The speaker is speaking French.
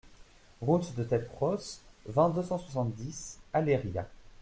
Route de Teppe Rosse, vingt, deux cent soixante-dix Aléria